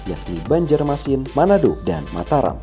yakni banjarmasin manado dan mataram